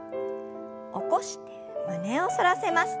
起こして胸を反らせます。